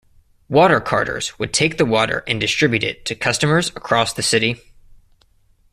Water carters would take the water and distribute it to customers across the city.